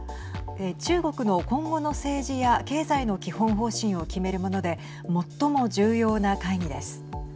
中国の今後の政治や経済の基本方針を決めるもので最も重要な会議です。